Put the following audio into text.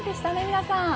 皆さん。